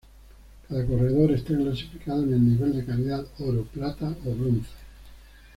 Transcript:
Cada corredor está clasificado en el nivel de calidad Oro, Plata o Bronce.